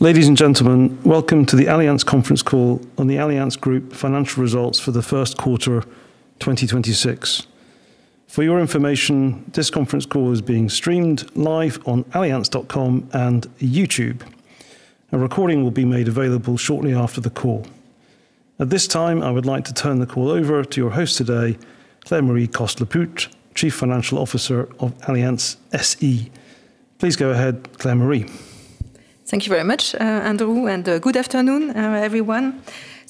Ladies and gentlemen, welcome to the Allianz conference call on the Allianz Group financial results for the first quarter, 2026. For your information, this conference call is being streamed live on Allianz.com and YouTube. A recording will be made available shortly after the call. At this time, I would like to turn the call over to your host today, Claire-Marie Coste-Lepoutre, chief financial officer of Allianz SE. Please go ahead, Claire-Marie. Thank you very much, Andrew, and good afternoon, everyone.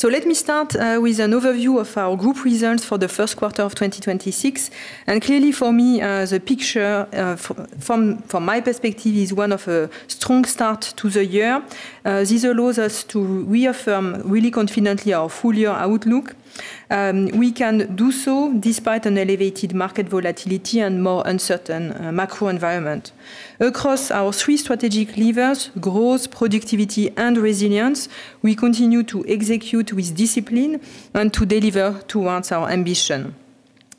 Let me start with an overview of our group results for the first quarter of 2026. Clearly for me, the picture from my perspective is one of a strong start to the year. This allows us to reaffirm really confidently our full year outlook. We can do so despite an elevated market volatility and more uncertain macro environment. Across our three strategic levers, growth, productivity, and resilience, we continue to execute with discipline and to deliver towards our ambition.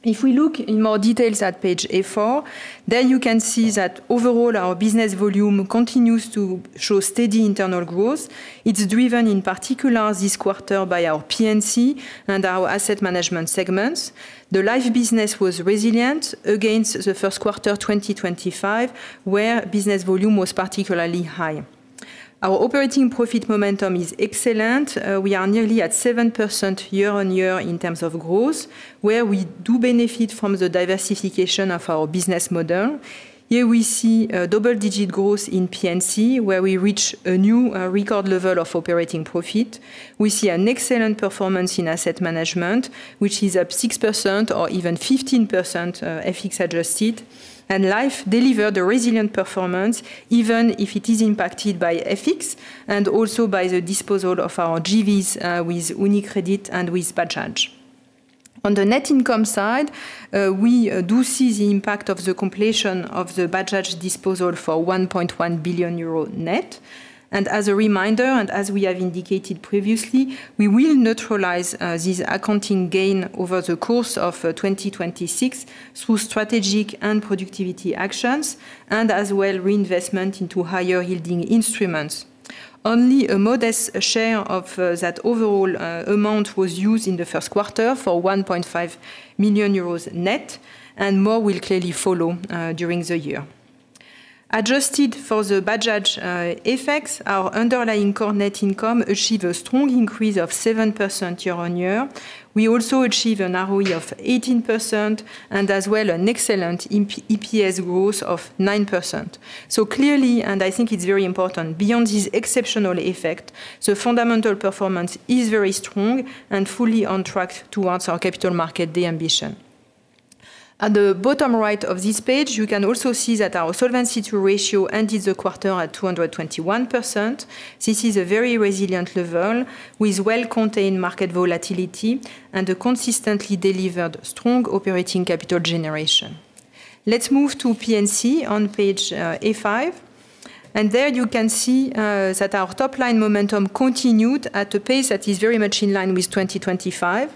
If we look in more details at page A4, there you can see that overall our business volume continues to show steady internal growth. It's driven in particular this quarter by our P&C and our asset management segments. The life business was resilient against the first quarter of 2025, where business volume was particularly high. Our operating profit momentum is excellent. We are nearly at 7% year-on-year in terms of growth, where we do benefit from the diversification of our business model. Here we see a double-digit growth in P&C, where we reach a new record level of operating profit. We see an excellent performance in asset management, which is up 6% or even 15% FX-adjusted. Life delivered a resilient performance even if it is impacted by FX and also by the disposal of our JVs with UniCredit and with Bajaj. On the net income side, we do see the impact of the completion of the Bajaj disposal for 1.1 billion euro net. As a reminder, as we have indicated previously, we will neutralize this accounting gain over the course of 2026 through strategic and productivity actions and as well reinvestment into higher-yielding instruments. Only a modest share of that overall amount was used in the first quarter for 1.5 million euros net, and more will clearly follow during the year. Adjusted for the Bajaj effects, our underlying core net income achieved a strong increase of 7% year-over-year. We also achieved an ROE of 18% and as well an excellent EPS growth of 9%. Clearly, and I think it's very important, beyond this exceptional effect, the fundamental performance is very strong and fully on track towards our Capital Markets Day ambition. At the bottom right of this page, you can also see that our Solvency II ratio ended the quarter at 221%. This is a very resilient level with well-contained market volatility and a consistently delivered strong operating capital generation. Let's move to P&C on page A5. There you can see that our top-line momentum continued at a pace that is very much in line with 2025.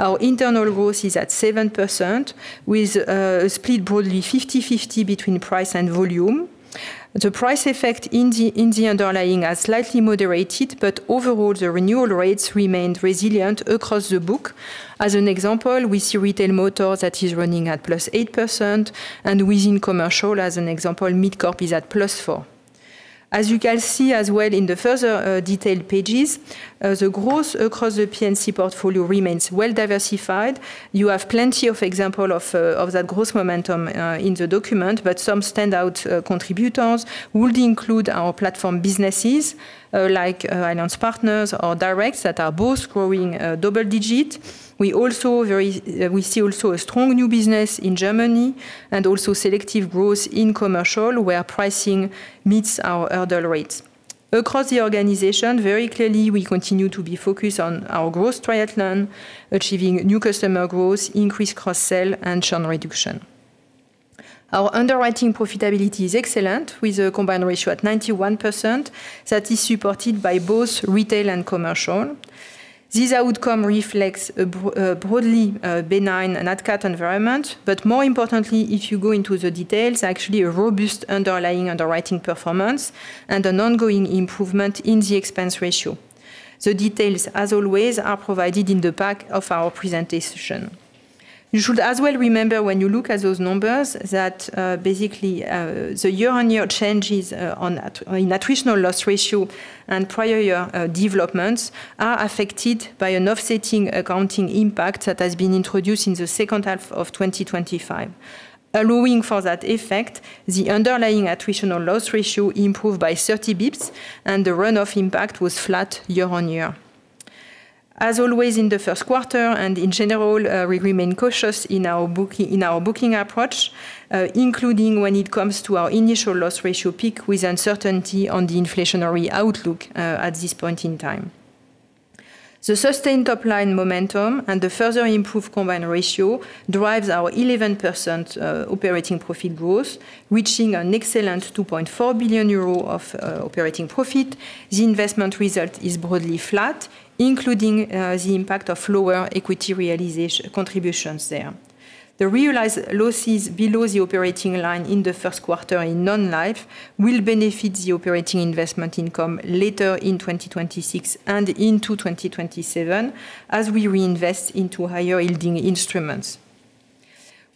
Our internal growth is at 7% with a split broadly 50/50 between price and volume. The price effect in the underlying has slightly moderated, overall, the renewal rates remained resilient across the book. As an example, we see retail motor that is running at +8% and within commercial, as an example, MidCorp is at plus four. As you can see as well in the further, detailed pages, the growth across the P&C portfolio remains well diversified. You have plenty of examples of that growth momentum in the document, but some standout contributors would include our platform businesses like Allianz Partners or Direct that are both growing double-digit. We see also a strong new business in Germany and also selective growth in Commercial, where pricing meets our hurdle rates. Across the organization, very clearly we continue to be focused on our growth triathlon, achieving new customer growth, increased cross-sell, and churn reduction. Our underwriting profitability is excellent, with a combined ratio at 91% that is supported by both retail and commercial. This outcome reflects a broadly benign Nat Cat environment. More importantly, if you go into the details, actually a robust underlying underwriting performance and an ongoing improvement in the expense ratio. The details, as always, are provided in the back of our presentation. You should as well remember when you look at those numbers that basically the year-on-year changes on attritional loss ratio and prior-year developments are affected by an offsetting accounting impact that has been introduced in the second half of 2025. Allowing for that effect, the underlying attritional loss ratio improved by 30 basis points, and the run-off impact was flat year-on-year. As always in the first quarter and in general, we remain cautious in our booking approach, including when it comes to our initial loss ratio pick with uncertainty on the inflationary outlook at this point in time. The sustained top-line momentum and the further improved combined ratio drive our 11% operating profit growth, reaching an excellent 2.4 billion euro of operating profit. The investment result is broadly flat, including the impact of lower equity contributions there. The realized losses below the operating line in the first quarter in non-life will benefit the operating investment income later in 2026 and into 2027 as we reinvest into higher-yielding instruments.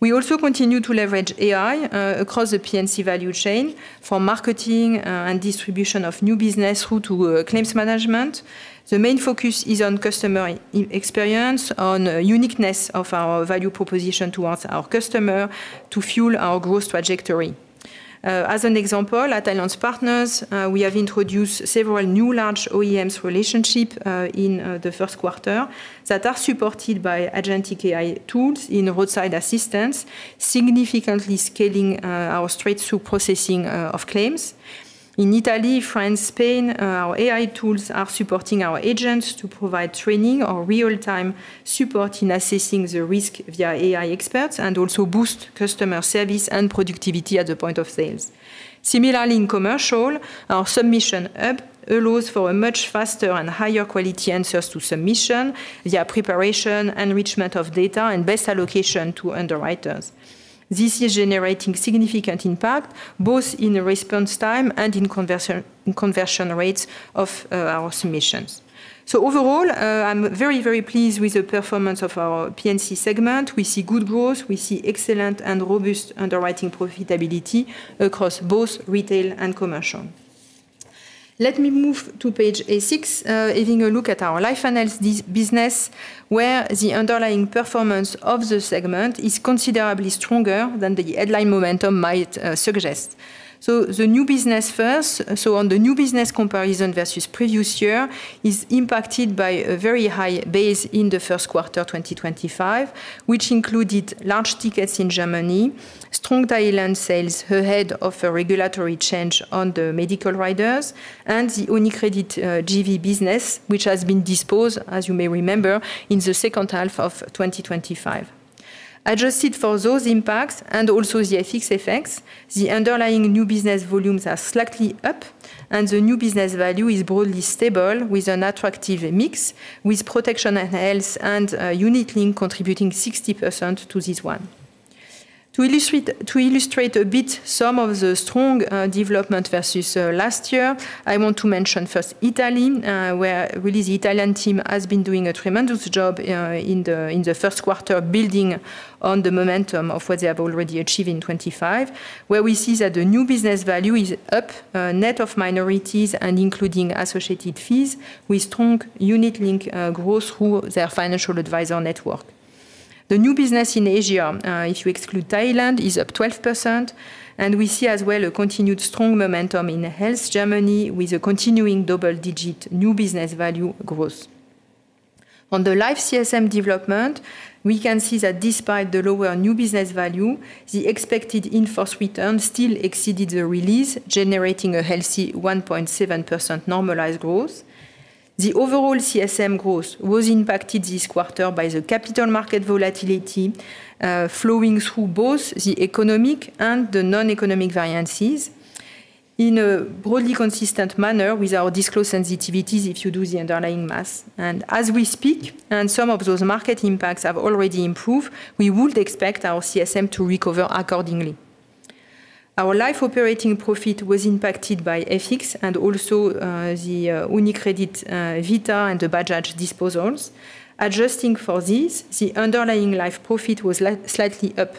We also continue to leverage AI across the P&C value chain for marketing and distribution of new business through to claims management. The main focus is on customer e-experience, on uniqueness of our value proposition towards our customer to fuel our growth trajectory. As an example, at Allianz Partners, we have introduced several new large OEMs relationship in the first quarter that are supported by agentic AI tools in roadside assistance, significantly scaling our straight-through processing of claims. In Italy, France, Spain, our AI tools are supporting our agents to provide training or real-time support in assessing the risk via AI experts and also boost customer service and productivity at the point of sales. Similarly, in Commercial, our submission hub allows for a much faster and higher-quality answers to submissions via preparation, enrichment of data, and best allocation to underwriters. This is generating significant impact both in the response time and in conversion rates of our submissions. Overall, I'm very, very pleased with the performance of our P&C segment. We see good growth. We see excellent and robust underwriting profitability across both retail and commercial. Let me move to page A6, having a look at our life and health business, where the underlying performance of the segment is considerably stronger than the headline momentum might suggest. The new business first. On the new business comparison versus the previous year is impacted by a very high base in the first quarter 2025, which included large tickets in Germany, strong Talanx sales ahead of a regulatory change on the medical riders and the UniCredit JV business, which has been disposed, as you may remember, in the second half of 2025. Adjusted for those impacts and also the FX effects, the underlying new business volumes are slightly up, and the new business value is broadly stable with an attractive mix with protection and health and unit-linked contributing 60% to this one. To illustrate a bit some of the strong development versus last year, I want to mention first Italy, where really the Italian team has been doing a tremendous job in the first quarter, building on the momentum of what they have already achieved in 2025, where we see that the new business value is up net of minorities and including associated fees with strong unit link growth through their financial advisor network. The new business in Asia, if you exclude Thailand, is up 12%, and we see as well a continued strong momentum in health Germany with a continuing double-digit new business value growth. On the life CSM development, we can see that despite the lower new business value, the expected in-force return still exceeded the release, generating a healthy 1.7% normalized growth. The overall CSM growth was impacted this quarter by the capital market volatility, flowing through both the economic and the non-economic variances in a broadly consistent manner with our disclosed sensitivities if you do the underlying math. As we speak, some of those market impacts have already improved, we would expect our CSM to recover accordingly. Our life operating profit was impacted by FX and also the UniCredit Vita and the Bajaj disposals. Adjusting for this, the underlying life profit was slightly up.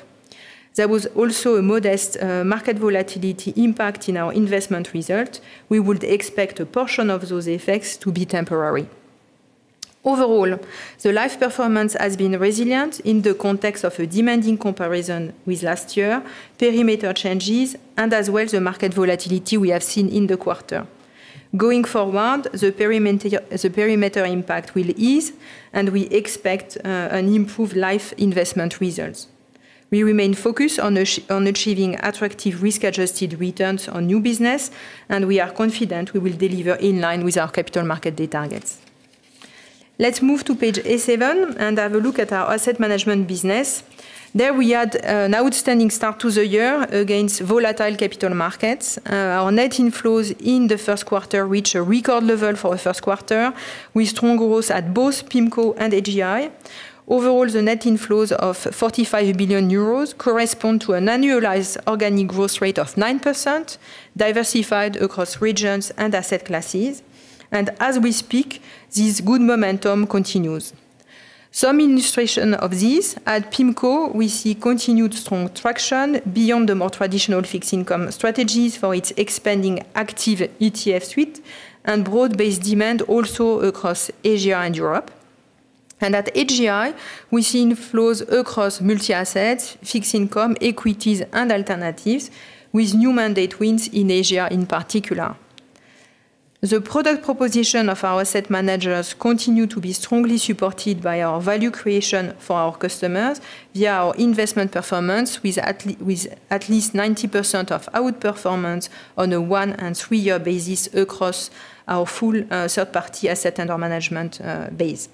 There was also a modest market volatility impact in our investment result. We would expect a portion of those effects to be temporary. Overall, the life performance has been resilient in the context of a demanding comparison with last year, perimeter changes, and as well the market volatility we have seen in the quarter. Going forward, the perimeter impact will ease, and we expect an improved life investment results. We remain focused on achieving attractive risk-adjusted returns on new business, and we are confident we will deliver in line with our Capital Markets Day targets. Let's move to page A7 and have a look at our asset management business. There we had an outstanding start to the year against volatile capital markets. Our net inflows in the first quarter reached a record level for a first quarter with strong growth at both PIMCO and AGI. Overall, the net inflows of 45 billion euros correspond to an annualized organic growth rate of 9%, diversified across regions and asset classes. As we speak, this good momentum continues. Some illustration of this, at PIMCO, we see continued strong traction beyond the more traditional fixed-income strategies for its expanding active ETF suite and broad-based demand also across Asia and Europe. At AGI, we've seen flows across multi-assets, fixed income, equities, and alternatives with new mandate wins in Asia in particular. The product proposition of our asset managers continue to be strongly supported by our value creation for our customers via our investment performance with at least 90% of outperformance on a one- and three-year basis across our full third-party asset under management base.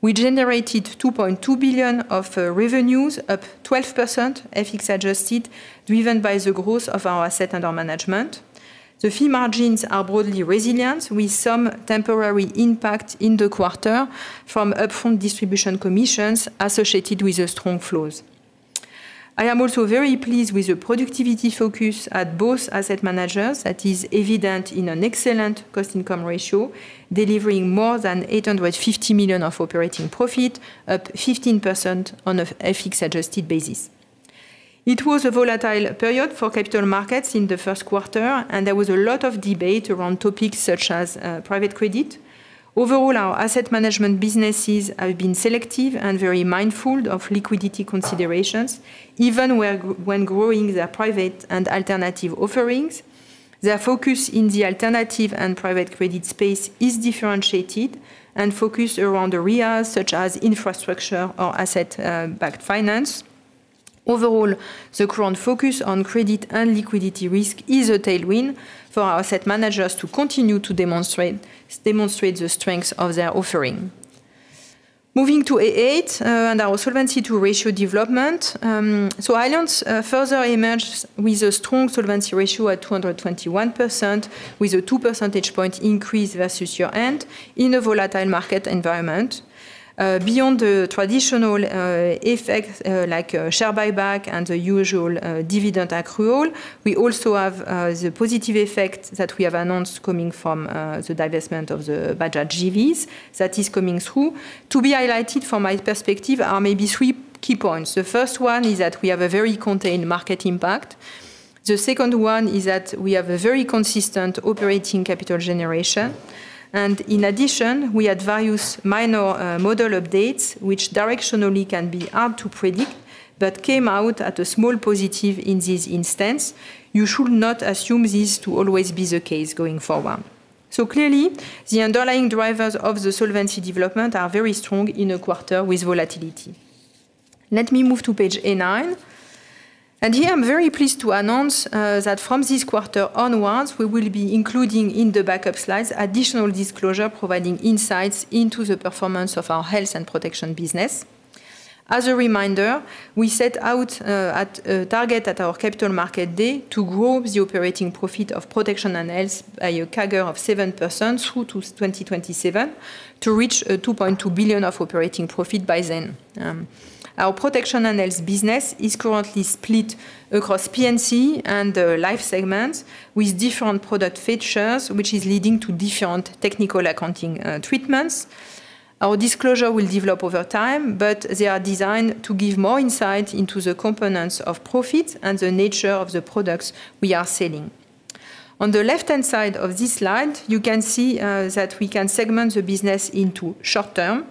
We generated 2.2 billion of revenues, up 12% FX-adjusted, driven by the growth of our assets under management. The fee margins are broadly resilient with some temporary impact in the quarter from upfront distribution commissions associated with the strong flows. I am also very pleased with the productivity focus at both asset managers that is evident in an excellent cost-income ratio, delivering more than 850 million of operating profit, up 15% on a FX-adjusted basis. It was a volatile period for capital markets in the first quarter, and there was a lot of debate around topics such as private credit. Overall, our asset management businesses have been selective and very mindful of liquidity considerations when growing their private and alternative offerings. Their focus in the alternative and private credit space is differentiated and focused around areas such as infrastructure or asset backed finance. Overall, the current focus on credit and liquidity risk is a tailwind for our asset managers to continue to demonstrate the strengths of their offering. Moving to AGI and our Solvency II ratio development. Allianz further emerged with a strong solvency ratio at 221%, with a 2 percentage point increase versus year-end in a volatile market environment. Beyond the traditional effects, like share buyback and the usual dividend accrual, we also have the positive effect that we have announced coming from the divestment of the Bajaj JVs that is coming through. To be highlighted from my perspective are maybe three key points. The first one is that we have a very contained market impact. The second one is that we have a very consistent operating capital generation. In addition, we had various minor model updates which directionally can be hard to predict, but came out at a small positive in this instance. You should not assume this to always be the case going forward. Clearly, the underlying drivers of the solvency development are very strong in a quarter with volatility. Let me move to page A9. Here I'm very pleased to announce that from this quarter onwards, we will be including in the backup slides additional disclosure providing insights into the performance of our health and protection business. As a reminder, we set out a target at our Capital Markets Day to grow the operating profit of protection and health by a CAGR of 7% through to 2027 to reach 2.2 billion of operating profit by then. Our protection and health business is currently split across P&C and the life segments with different product features, which is leading to different technical accounting treatments. Our disclosure will develop over time, but they are designed to give more insight into the components of profit and the nature of the products we are selling. On the left-hand side of this slide, you can see that we can segment the business into short-term.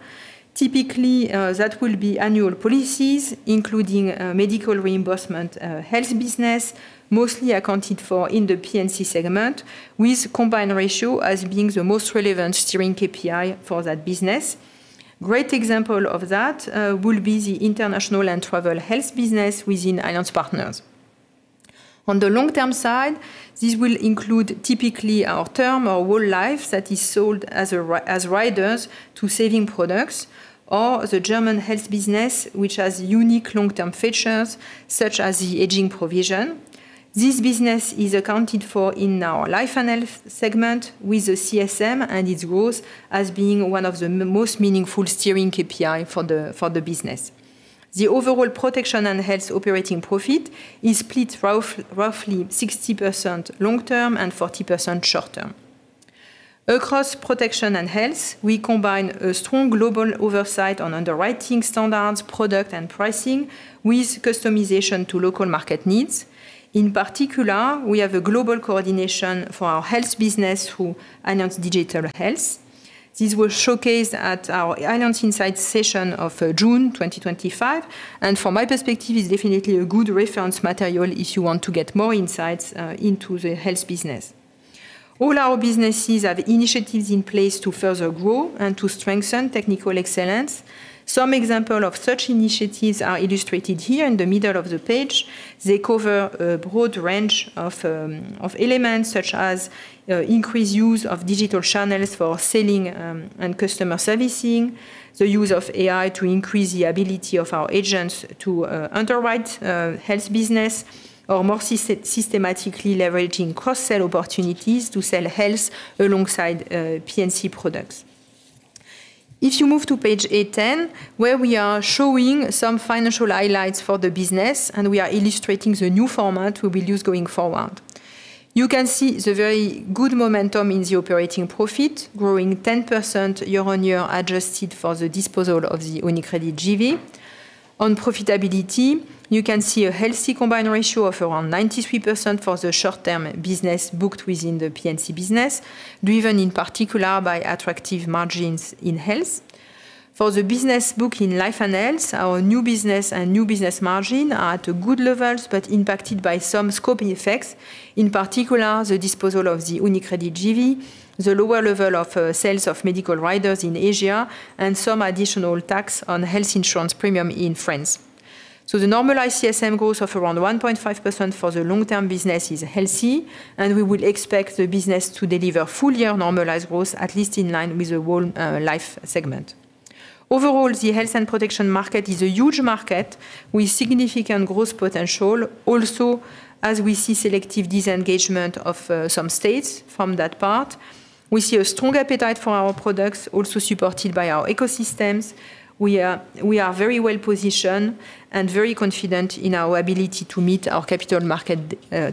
Typically, that will be annual policies, including medical reimbursement, health business, mostly accounted for in the P&C segment, with combined ratio as being the most relevant steering KPI for that business. Great example of that will be the international and travel health business within Allianz Partners. On the long-term side, this will include typically our term or whole life that is sold as riders to saving products or the German health business, which has unique long-term features such as the aging provision. This business is accounted for in our life and health segment with the CSM, and its growth as being one of the most meaningful steering KPIs for the business. The overall protection and health operating profit is split roughly 60% long-term and 40% short-term. Across protection and health, we combine a strong global oversight on underwriting standards, product, and pricing with customization to local market needs. In particular, we have a global coordination for our health business through Allianz Digital Health. This will showcase at our Allianz Insights session of June 2025 and, from my perspective, is definitely a good reference material if you want to get more insights into the health business. All our businesses have initiatives in place to further grow and to strengthen technical excellence. Some examples of such initiatives are illustrated here in the middle of the page. They cover a broad range of elements such as increased use of digital channels for selling and customer servicing, the use of AI to increase the ability of our agents to underwrite health business or more systematically leveraging cross-sell opportunities to sell health alongside P&C products. If you move to page A10, where we are showing some financial highlights for the business, and we are illustrating the new format we will use going forward. You can see the very good momentum in the operating profit, growing 10% year-on-year adjusted for the disposal of the UniCredit JV. On profitability, you can see a healthy combined ratio of around 93% for the short-term business booked within the P&C business, driven in particular by attractive margins in health. For the business booked in life and health, our new business and new business margin are at good levels but impacted by some scope effects, in particular the disposal of the UniCredit JV, the lower level of sales of medical riders in Asia, and some additional tax on health insurance premium in France. The normalized CSM growth of around 1.5% for the long-term business is healthy, and we will expect the business to deliver full-year normalized growth at least in line with the whole life segment. Overall, the health and protection market is a huge market with significant growth potential. Also, as we see selective disengagement of some states from that part, we see a strong appetite for our products, also supported by our ecosystems. We are very well-positioned and very confident in our ability to meet our capital market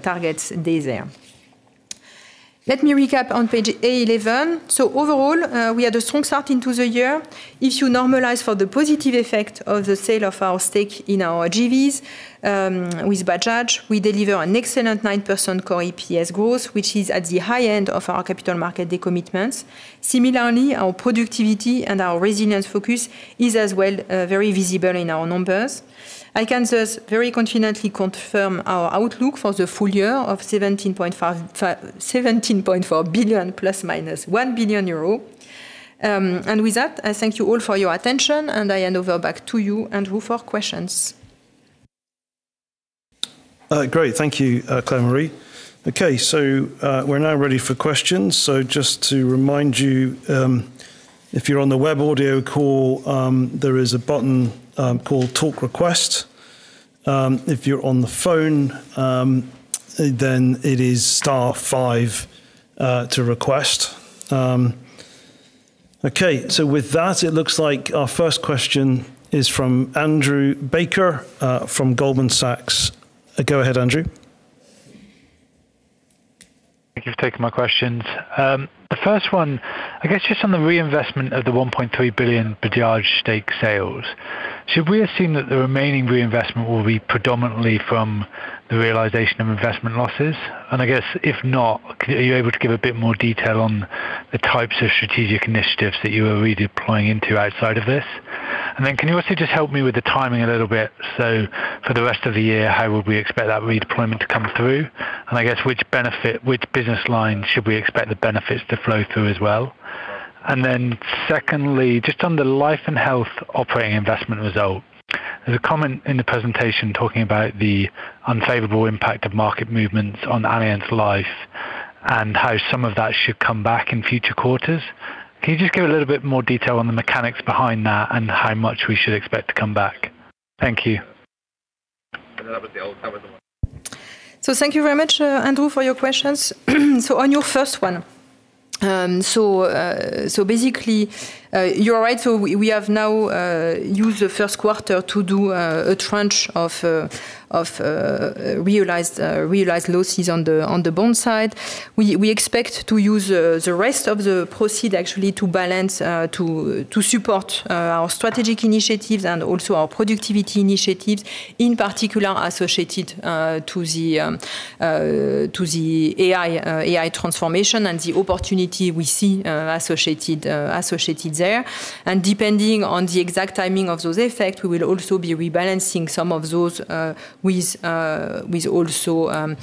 targets desire. Let me recap on page A11. Overall, we had a strong start into the year. If you normalize for the positive effect of the sale of our stake in our JVs with Bajaj, we deliver an excellent 9% core EPS growth, which is at the high end of our capital market commitments. Similarly, our productivity and our resilience focus is as well very visible in our numbers. I can thus very confidently confirm our outlook for the full year of 17.4 billion ± 1 billion euro. With that, I thank you all for your attention, and I hand over back to you, Andrew, for questions. Great. Thank you, Claire-Marie. We're now ready for questions. Just to remind you, if you're on the web audio call, there is a button called "Talk Request." If you're on the phone, it is star five to request. It looks like our first question is from Andrew Baker from Goldman Sachs. Go ahead, Andrew. Thank you for taking my questions. The first one, I guess just on the reinvestment of the 1.3 billion Bajaj stake sales, should we assume that the remaining reinvestment will be predominantly from the realization of investment losses? I guess if not, are you able to give a bit more detail on the types of strategic initiatives that you are redeploying into outside of this? Then can you also just help me with the timing a little bit? For the rest of the year, how would we expect that redeployment to come through? I guess which benefit, which business line should we expect the benefits to flow through as well? Secondly, just on the life and health operating investment result, there is a comment in the presentation talking about the unfavorable impact of market movements on Allianz Life and how some of that should come back in future quarters. Can you just give a little bit more detail on the mechanics behind that and how much we should expect to come back? Thank you. Thank you very much, Andrew, for your questions. On your first one, you're right. We have now used the first quarter to do a tranche of realized losses on the bond side. We expect to use the rest of the proceeds actually to balance to support our strategic initiatives and also our productivity initiatives, in particular associated to the AI transformation and the opportunity we see associated there. Depending on the exact timing of those effects, we will also be rebalancing some of those with also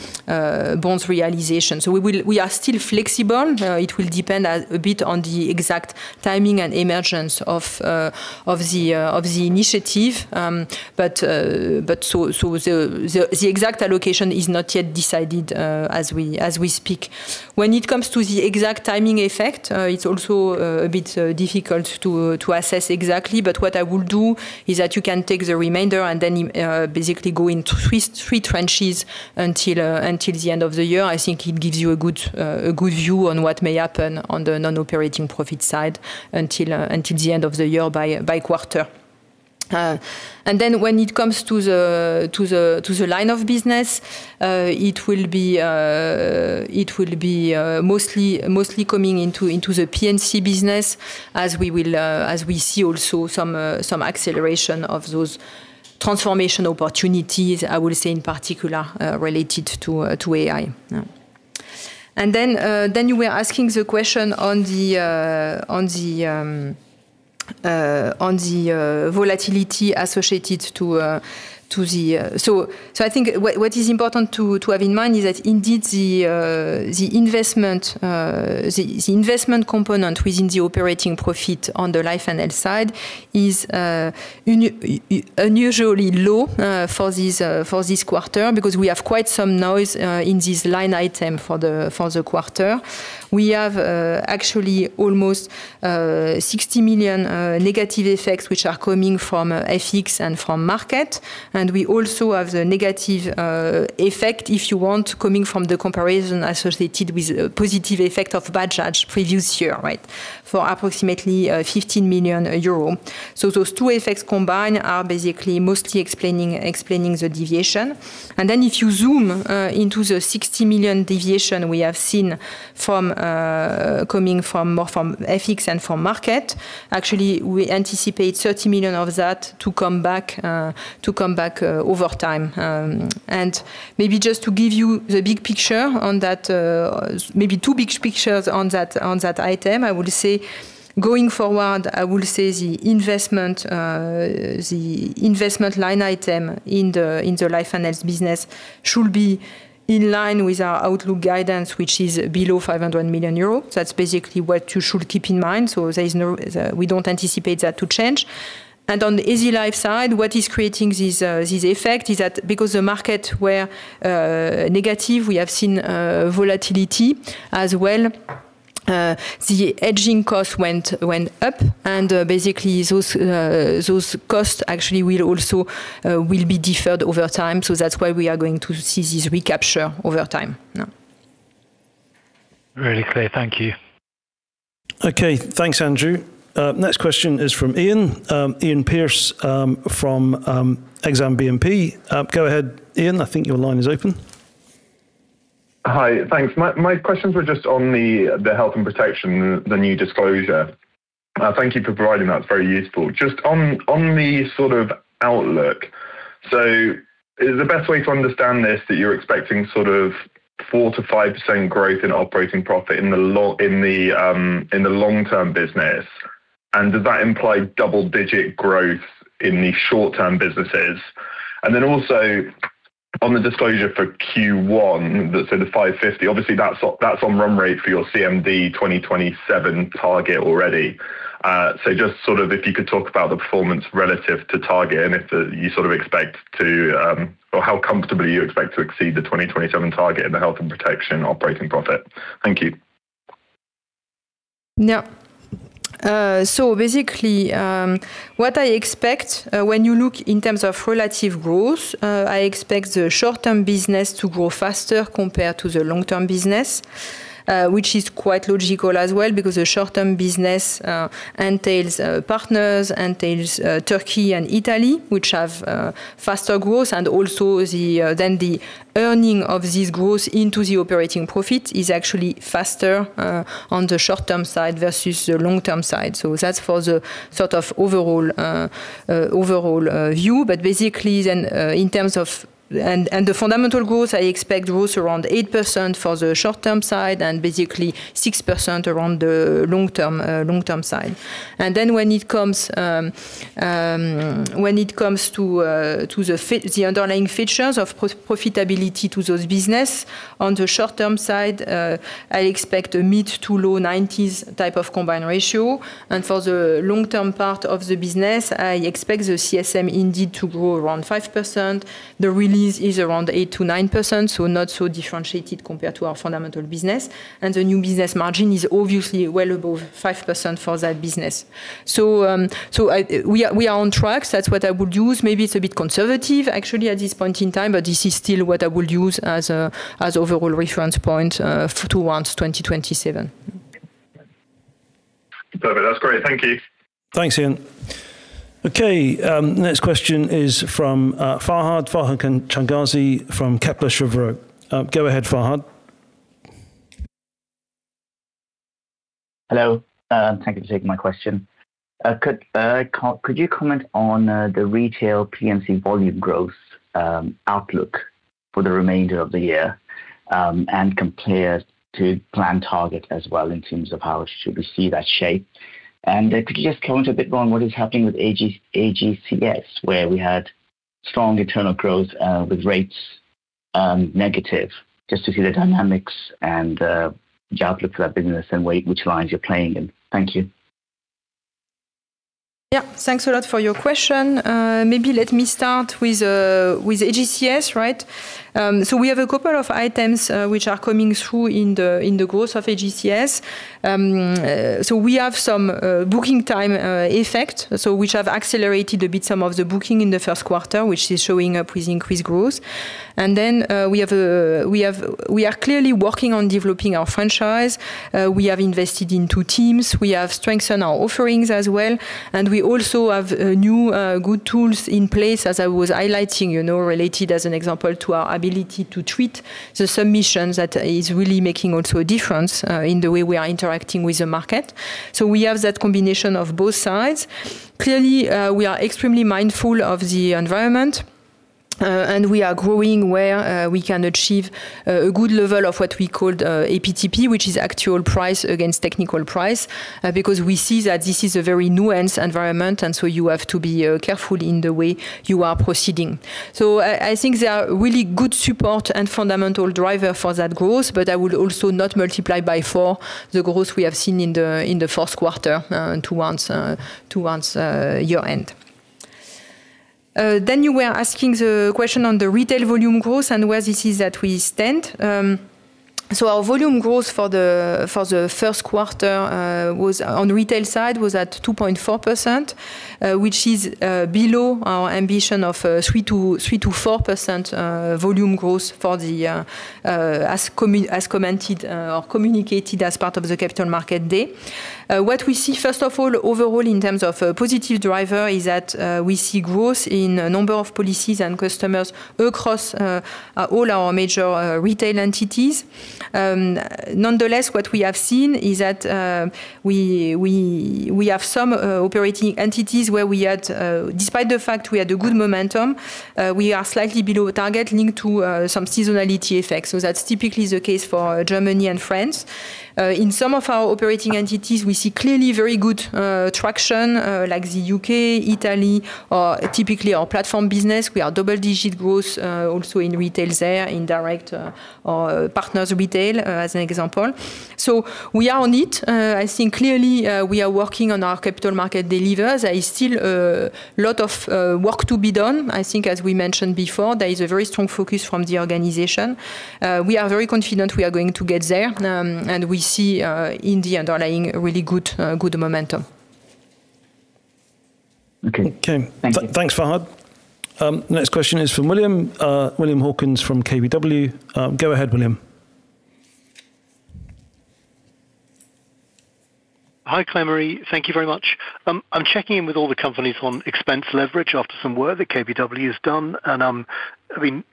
bonds realization. We are still flexible. It will depend a bit on the exact timing and emergence of the initiative. The exact allocation is not yet decided as we speak. When it comes to the exact timing effect, it's also a bit difficult to assess exactly. What I would do is that you can take the remainder and then basically go in three tranches until the end of the year. I think it gives you a good view on what may happen on the non-operating profit side until the end of the year by quarter. Then when it comes to the line of business, it will be mostly coming into the P&C business as we see some acceleration of those transformation opportunities, I would say in particular, related to AI. Then you were asking the question on the volatility associated to the. I think what is important to have in mind is that indeed the investment component within the operating profit on the life and health side is unusually low for this quarter because we have quite some noise in this line item for the quarter. We have actually almost 60 million negative effects, which are coming from FX and from market. We also have the negative effect, if you want, coming from the comparison associated with positive effect of Bajaj previous year, right? For approximately 15 million euro. Those two effects combined are basically mostly explaining the deviation. If you zoom into the 60 million deviation we have seen from coming from more from FX and from market, actually, we anticipate 30 million of that to come back to come back over time. Maybe just to give you the big picture on that, maybe two big pictures on that, on that item, I would say going forward, I would say the investment line item in the life and health business should be in line with our outlook guidance, which is below 500 million euros. That's basically what you should keep in mind. We don't anticipate that to change. On the AZLife side, what is creating this effect is that because the market was negative, we have seen volatility as well. The hedging cost went up, and basically those costs actually will also be deferred over time. That's why we are going to see this recapture over time now Really clear. Thank you. Okay. Thanks, Andrew. Next question is from Iain. Iain Pearce from Exane BNP. Go ahead, Iain. I think your line is open. Hi. Thanks. My questions were just on the health and protection, the new disclosure. Thank you for providing that. It's very useful. Just on the sort of outlook, is the best way to understand this that you're expecting sort of 4%-5% growth in operating profit in the long-term business? Does that imply double-digit growth in the short-term businesses? Also on the disclosure for Q1, the 550, obviously that's on run rate for your CMD 2027 target already. So, just sort of if you could talk about the performance relative to target and if you sort of expect to or how comfortably you expect to exceed the 2027 target in the health and protection operating profit. Thank you. What I expect, when you look in terms of relative growth, I expect the short-term business to grow faster compared to the long-term business, which is quite logical as well because the short-term business entails partners, entails Turkey and Italy, which have faster growth and also then the earning of this growth into the operating profit is actually faster on the short-term side versus the long-term side. That's for the sort of overall view. In terms of the fundamental growth, I expect growth around 8% for the short-term side and basically 6% around the long-term side. When it comes to the underlying features of profitability to those business, on the short-term side, I expect a mid to low 90s type of combined ratio. For the long-term part of the business, I expect the CSM indeed to grow around 5%. The release is around 8%-9%, so not so differentiated compared to our fundamental business. The new business margin is obviously well above 5% for that business. We are on track. That's what I would use. Maybe it's a bit conservative, actually, at this point in time, but this is still what I would use as overall reference point towards 2027. Perfect. That's great. Thank you. Thanks, Iain. Okay, next question is from Fahad. Fahad Changazi from Kepler Cheuvreux. Go ahead, Fahad. Hello. Thank you for taking my question. Could you comment on the retail P&C volume growth outlook for the remainder of the year and compare to plan target as well in terms of how it should receive that shape? Could you just comment a bit on what is happening with AGCS, where we had strong internal growth with rates negative, just to see the dynamics and the outlook for that business and which lines you're playing in? Thank you. Yeah, thanks a lot for your question. Maybe let me start with AGCS, right? We have a couple of items which are coming through in the growth of AGCS. We have some booking time effect, so which have accelerated a bit some of the booking in the first quarter, which is showing up with increased growth. We are clearly working on developing our franchise. We have invested in two teams. We have strengthened our offerings as well. We also have new good tools in place, as I was highlighting, you know, related as an example to our ability to treat the submissions that is really making also a difference in the way we are interacting with the market. We have that combination of both sides. Clearly, we are extremely mindful of the environment, and we are growing where we can achieve a good level of what we call the APTP, which is actual price against technical price, because we see that this is a very nuanced environment, and so you have to be careful in the way you are proceeding. I think there are really good support and fundamental driver for that growth, but I would also not multiply by four the growth we have seen in the first quarter towards year-end. Then you were asking the question on the retail volume growth and where this is that we stand. Our volume growth for the first quarter was on retail side was at 2.4%, which is below our ambition of 3%-4% volume growth for the as commented or communicated as part of the Capital Markets Day. What we see, first of all, overall in terms of a positive driver is that we see growth in a number of policies and customers across all our major retail entities. Nonetheless, what we have seen is that we have some operating entities where we had, despite the fact we had a good momentum, we are slightly below target linked to some seasonality effects. That's typically the case for Germany and France. In some of our operating entities, we see clearly very good traction, like the U.K., Italy, or typically our platform business. We are double-digit growth also in retail there, in direct or partner retail, as an example. We are on it. I think clearly, we are working on our capital market delivers. There is still a lot of work to be done. I think as we mentioned before, there is a very strong focus from the organization. We are very confident we are going to get there, and we see in the underlying really good momentum. Okay. Thank you. Thanks, Fahad. Next question is from William. William Hawkins from KBW. Go ahead, William. Hi, Claire-Marie. Thank you very much. I'm checking in with all the companies on expense leverage after some work that KBW has done, and I mean,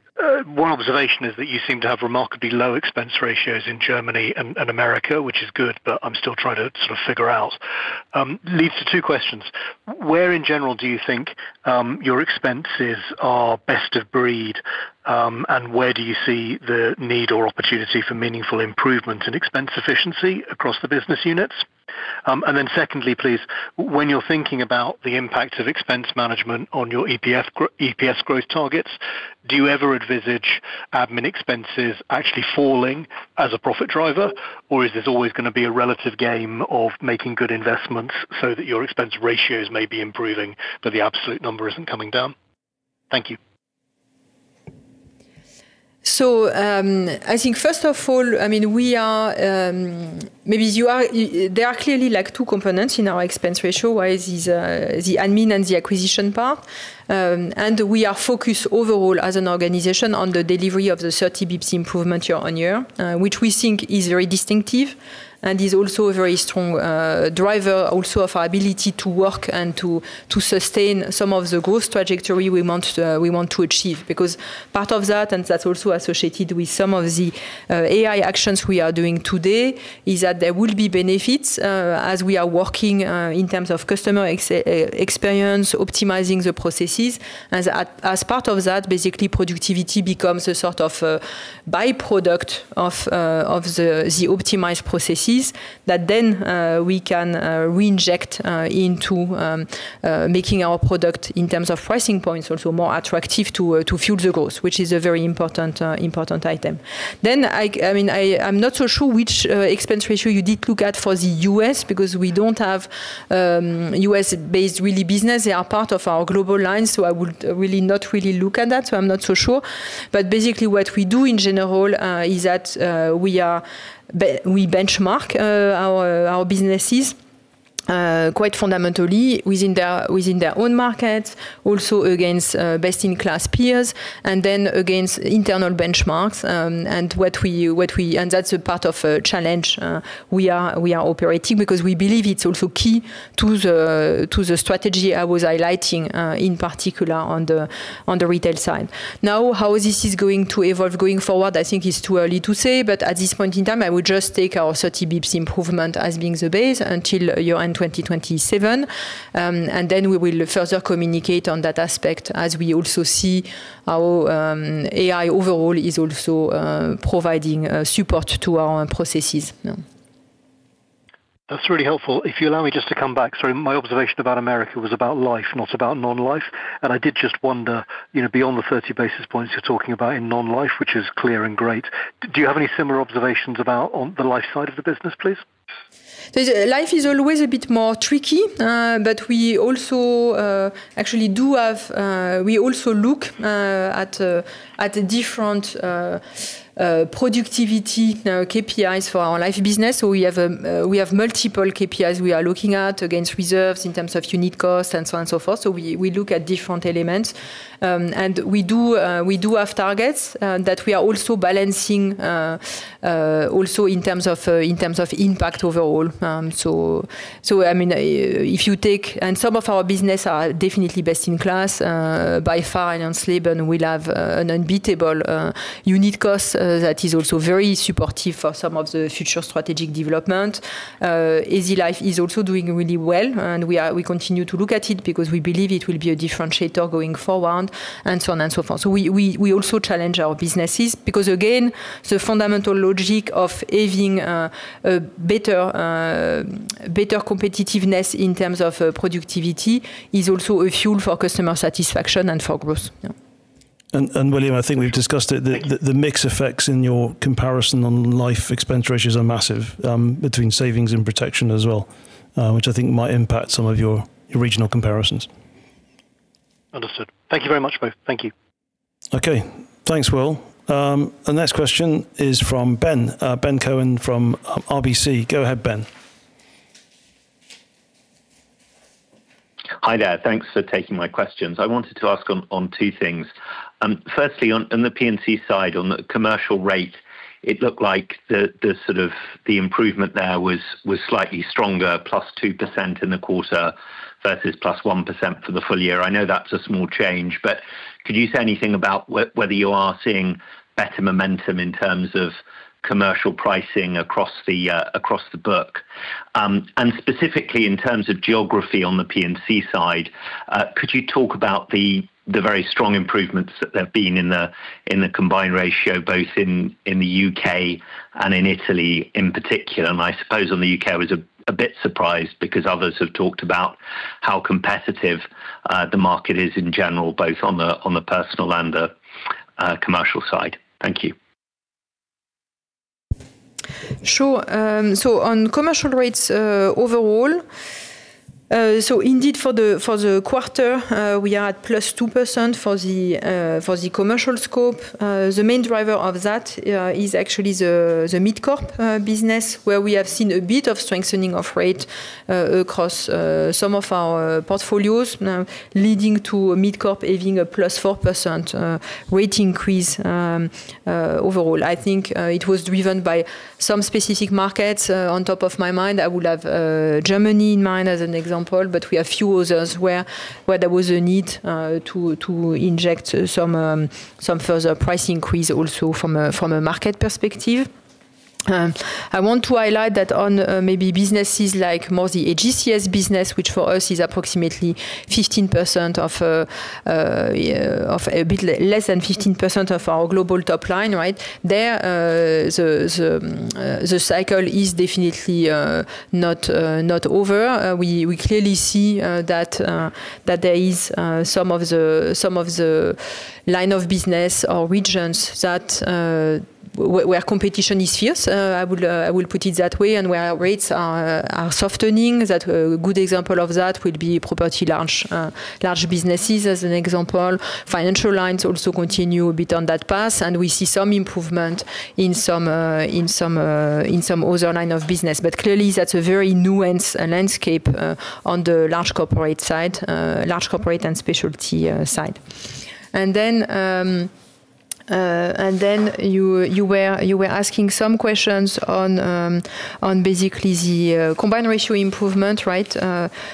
one observation is that you seem to have remarkably low expense ratios in Germany and America, which is good, but I'm still trying to sort of figure out. leads to two questions. Where in general do you think your expenses are best-of-breed, and where do you see the need or opportunity for meaningful improvement in expense efficiency across the business units? Secondly, please, when you're thinking about the impact of expense management on your EPS growth targets, do you ever envisage admin expenses actually falling as a profit driver, or is this always going to be a relative game of making good investments so that your expense ratios may be improving, but the absolute number isn't coming down? Thank you. I think first of all, I mean, we are, there are clearly like two components in our expense ratio. One is the admin and the acquisition part. We are focused overall as an organization on the delivery of the 30 basis points improvement year on year, which we think is very distinctive and is also a very strong driver also of our ability to work and to sustain some of the growth trajectory we want, we want to achieve. Part of that's also associated with some of the AI actions we are doing today, is that there will be benefits as we are working in terms of customer experience, optimizing the processes. As part of that, basically productivity becomes a sort of a by-product of the optimized processes that then we can reinject into making our product in terms of pricing points also more attractive to fuel the growth, which is a very important item. I mean, I'm not so sure which expense ratio you did look at for the U.S. because we don't have U.S.-based really business. They are part of our global line, I would really not look at that. I'm not so sure. Basically what we do in general is that we benchmark our businesses quite fundamentally within their own markets, also against best-in-class peers, and then against internal benchmarks. That's a part of a challenge we are operating because we believe it's also key to the strategy I was highlighting in particular on the retail side. How this is going to evolve going forward, I think it's too early to say, but at this point in time, I would just take our 30 basis points improvement as being the base until year-end 2027, and then we will further communicate on that aspect as we also see how AI overall is also providing support to our own processes. Yeah. That's really helpful. If you allow me just to come back. Sorry, my observation about America was about life, not about non-life. I did just wonder, you know, beyond the 30 basis points you're talking about in non-life, which is clear and great, do you have any similar observations about on the life side of the business, please? Life is always a bit more tricky, but we also actually do have, we also look at the different productivity KPIs for our life business. We have multiple KPIs we are looking at against reserves in terms of unit cost and so on and so forth. We look at different elements. We do have targets that we are also balancing also in terms of impact overall. If you take some of our business are definitely best in class by far and on SLB, and we'll have an unbeatable unit cost that is also very supportive for some of the future strategic development. Easy Life is also doing really well, we continue to look at it because we believe it will be a differentiator going forward, and so on and so forth. We also challenge our businesses because, again, the fundamental logic of having a better competitiveness in terms of productivity is also a fuel for customer satisfaction and for growth. Yeah. William, I think we've discussed it. The mix effects in your comparison on life expense ratios are massive, between savings and protection as well, which I think might impact some of your regional comparisons. Understood. Thank you very much, both. Thank you. Okay. Thanks, Will. The next question is from Ben Cohen from, RBC. Go ahead, Ben. Hi there. Thanks for taking my questions. I wanted to ask on two things. Firstly, on the P&C side, on the commercial rate, it looked like the sort of the improvement there was slightly stronger, +2% in the quarter versus +1% for the full year. I know that's a small change, but could you say anything about whether you are seeing better momentum in terms of commercial pricing across the book? Specifically in terms of geography on the P&C side, could you talk about the very strong improvements that there've been in the combined ratio, both in the U.K. and in Italy in particular? I suppose on the U.K., I was a bit surprised because others have talked about how competitive the market is in general, both on the personal and the commercial side. Thank you. Sure. On commercial rates overall, indeed for the quarter, we are at plus 2% for the commercial scope. The main driver of that is actually the MidCorp business, where we have seen a bit of strengthening of rate across some of our portfolios now leading to MidCorp having a plus 4% rate increase. Overall, I think it was driven by some specific markets. On top of my mind, I will have Germany in mind as an example, but we have a few others where there was a need to inject some further price increase also from a market perspective. I want to highlight that, maybe businesses like more the AGCS business, which for us is approximately 15% of a bit less than 15% of our global top line, right? There, the cycle is definitely not over. We clearly see that there is some of the, some of the line of business or regions that where competition is fierce. I would, I would put it that way, and where our rates are softening. A good example of that would be property large businesses, as an example. Financial lines also continue a bit on that path, and we see some improvement in some, in some, in some other line of business. Clearly, that's a very nuanced landscape on the Large Corporate side, Large Corporate and Specialty side. Then you were asking some questions on basically the combined ratio improvement, right?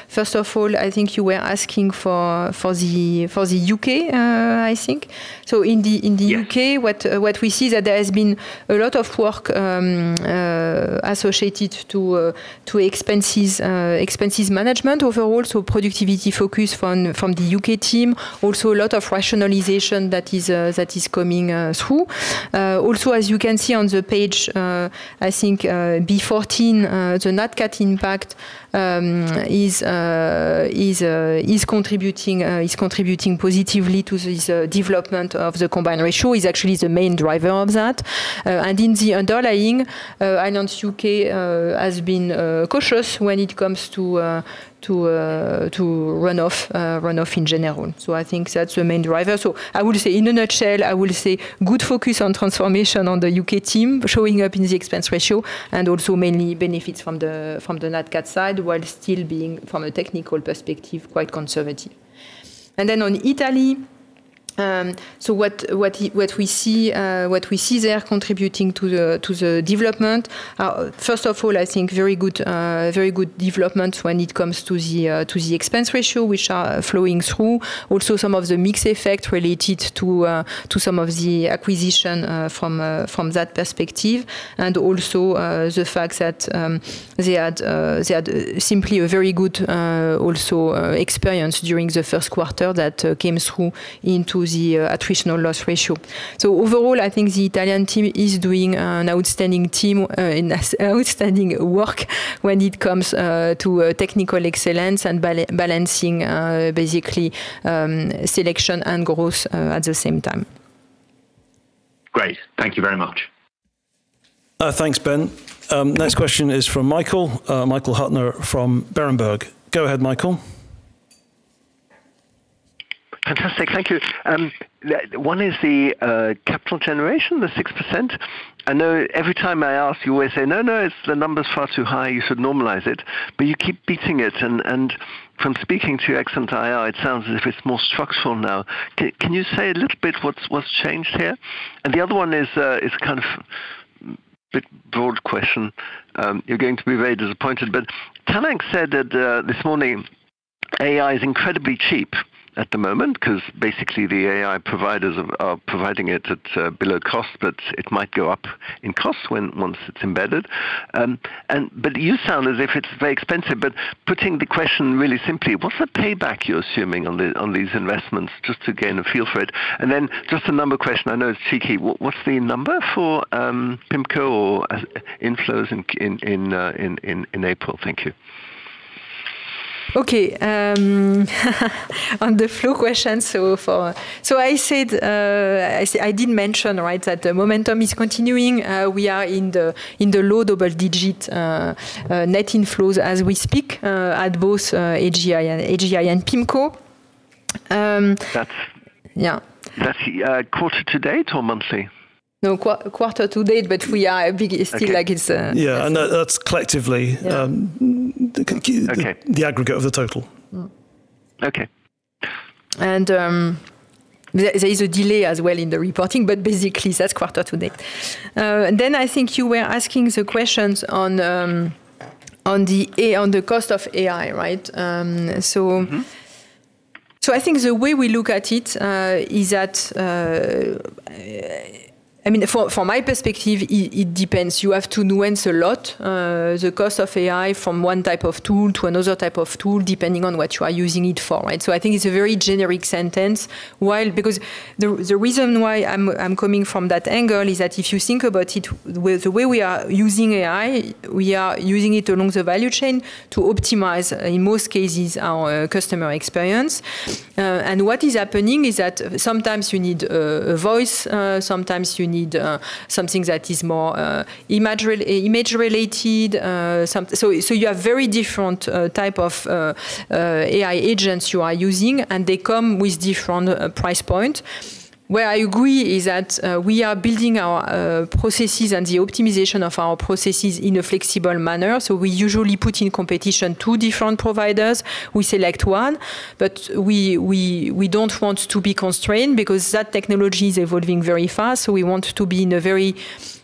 First of all, I think you were asking for the U.K., I think. In the U.K. What we see that there has been a lot of work associated to expenses management overall, so productivity focus from the U.K. team. A lot of rationalization that is coming through. As you can see on the page, I think B14, the Nat Cat impact is contributing positively to this development of the combined ratio, is actually the main driver of that. In the underlying, I know U.K. has been cautious when it comes to run-off in general. I think that's the main driver. I would say in a nutshell, I would say good focus on transformation on the U.K. team showing up in the expense ratio and also mainly benefits from the Nat Cat side, while still being, from a technical perspective, quite conservative. What we see there contributing to the development, first of all, I think very good development when it comes to the expense ratio, which are flowing through. Also, some of the mix effect related to some of the acquisition from that perspective, and also the fact that they had simply a very good also experience during the first quarter that came through into the attritional loss ratio. Overall, I think the Italian team is doing an outstanding team, an outstanding work when it comes to technical excellence and balancing, basically, selection and growth at the same time. Great. Thank you very much. Thanks, Ben. Next question is from Michael Huttner from Berenberg. Go ahead, Michael. Fantastic. Thank you. One is the capital generation, the 6%. I know every time I ask, you always say, "No, no, the number is far too high." You should normalize it." You keep beating it, and from speaking to you excellent IR, it sounds as if it's more structural now. Can you say a little bit what's changed here? The other one is kind of bit broad question. You're going to be very disappointed, but Thailand said that this morning, AI is incredibly cheap at the moment because basically the AI providers are providing it at below cost, but it might go up in cost once it's embedded. But you sound as if it's very expensive, but putting the question really simply, what's the payback you're assuming on these investments just to gain a feel for it? Then just a number question. I know it's cheeky. What's the number for PIMCO or inflows in April? Thank you. Okay. On the flow question, I said I did mention, right, that the momentum is continuing. We are in the low double-digit net inflows as we speak at both AGI and PIMCO. That's- Yeah. That's quarter to date or monthly? No, quarter to date, but we are big still like it's. Yeah. That's collectively. Yeah. The aggregate of the total. Okay. There is a delay as well in the reporting, but basically that's quarter to date. I think you were asking the questions on the cost of AI, right? I think the way we look at it, I mean, from my perspective, it depends. You have to nuance a lot the cost of AI from one type of tool to another type of tool, depending on what you are using it for, right? I think it's a very generic sentence. The reason why I'm coming from that angle is that if you think about it, the way we are using AI, we are using it along the value chain to optimize, in most cases, our customer experience. What is happening is that sometimes you need a voice, sometimes you need something that is more image re-image related. So you have very different type of AI agents you are using, and they come with different price point. Where I agree is that we are building our processes and the optimization of our processes in a flexible manner. We usually put in competition two different providers. We select one, but we don't want to be constrained because that technology is evolving very fast, so we want to be in a very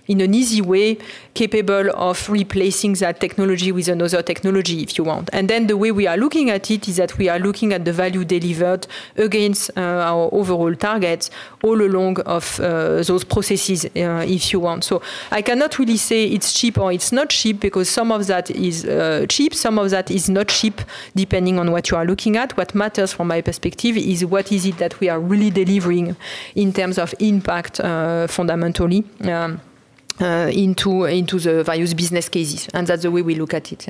easy way capable of replacing that technology with another technology, if you want. The way we are looking at it is that we are looking at the value delivered against our overall targets all along of those processes, if you want. I cannot really say it's cheap or it's not cheap because some of that is cheap, some of that is not cheap, depending on what you are looking at. What matters from my perspective is what is it that we are really delivering in terms of impact fundamentally into the various business cases, and that's the way we look at it,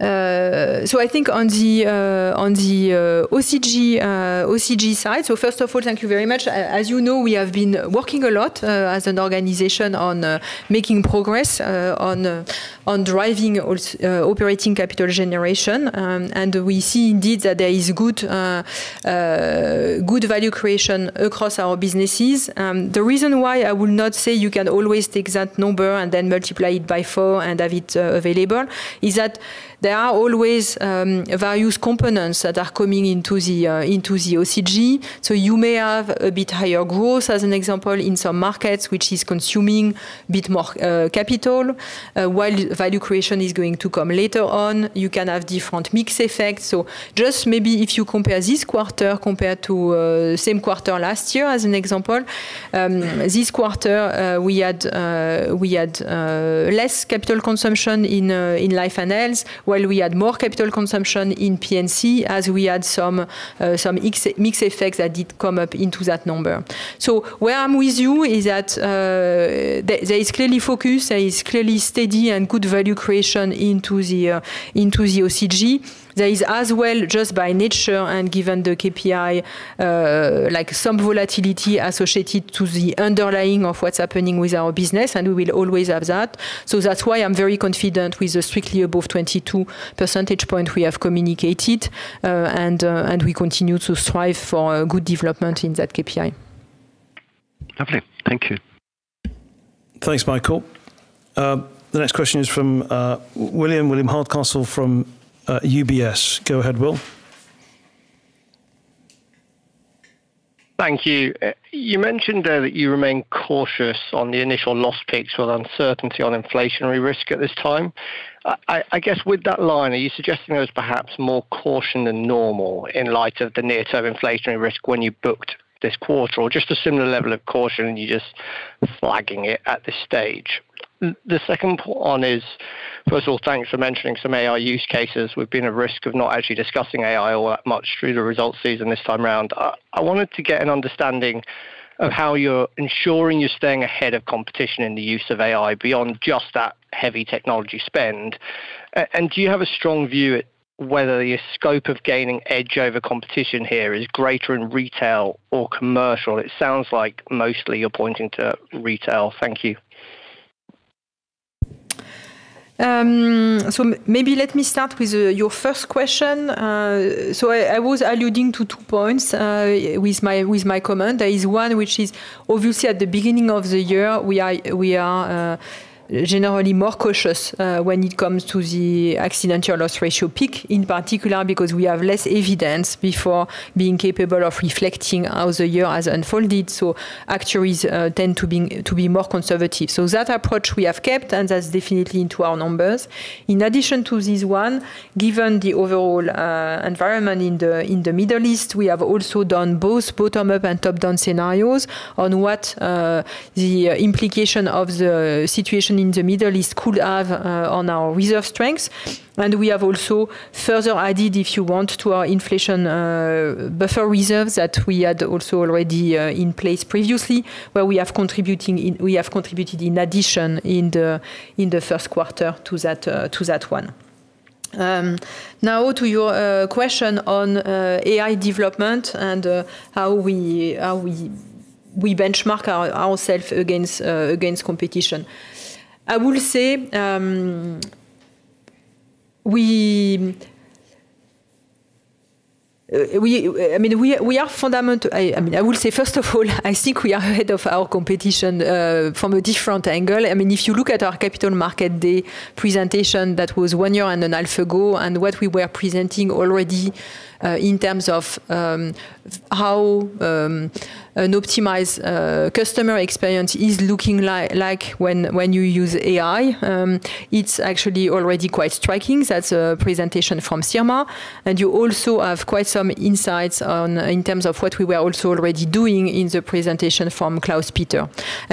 yeah. I think on the OCG side, first of all, thank you very much. As you know, we have been working a lot as an organization on making progress on driving operating capital generation. We see indeed that there is good value creation across our businesses. The reason why I will not say you can always take that number and then multiply it by four and have it available is that there are always various components that are coming into the OCG. You may have a bit higher growth, as an example, in some markets, which is consuming a bit more capital, while value creation is going to come later on. You can have different mix effects Just maybe if you compare this quarter compared to same quarter last year as an example, this quarter, we had less capital consumption in life and health, while we had more capital consumption in P&C, as we had some mix effects that did come up into that number. Where I'm with you is that there is clearly focus, there is clearly steady and good value creation into the OCG. There is as well, just by nature and given the KPI, like some volatility associated to the underlying of what's happening with our business, and we will always have that. That's why I'm very confident with the strictly above 22 percentage point we have communicated, and we continue to strive for good development in that KPI. Lovely. Thank you. Thanks, Michael. The next question is from William Hardcastle from UBS. Go ahead, Will. Thank you. You mentioned that you remain cautious on the initial loss picks with uncertainty on inflationary risk at this time. I guess with that line, are you suggesting there was perhaps more caution than normal in light of the near-term inflationary risk when you booked this quarter, or just a similar level of caution, and you're just flagging it at this stage? The second point is, first of all, thanks for mentioning some AI use cases. We've been at risk of not actually discussing AI all that much through the results season this time around. I wanted to get an understanding of how you're ensuring you're staying ahead of competition in the use of AI beyond just that heavy technology spend. Do you have a strong view at whether your scope of gaining edge over competition here is greater in retail or commercial? It sounds like mostly you're pointing to retail. Thank you. Maybe let me start with your first question. I was alluding to two points with my comment. There is one which is obviously at the beginning of the year, we are generally more cautious when it comes to the attritional loss ratio peak, in particular because we have less evidence before being capable of reflecting how the year has unfolded. Actuaries tend to be more conservative. That approach we have kept, and that's definitely into our numbers. In addition to this one, given the overall environment in the Middle East, we have also done both bottom-up and top-down scenarios on what the implication of the situation in the Middle East could have on our reserve strengths. We have also further added, if you want, to our inflation buffer reserves that we had also already in place previously, where we have contributed in addition in the first quarter to that, to that one. To your question on AI development and how we benchmark ourselves against competition. I will say, we, I mean, I will say, first of all, I think we are ahead of our competition from a different angle. I mean, if you look at our Capital Markets Day presentation that was one year and a half ago, what we were presenting already, in terms of how an optimized customer experience is looking like when you use AI, it's actually already quite striking. That's a presentation from Sirma. You also have quite some insights on, in terms of what we were also already doing in the presentation from Klaus-Peter.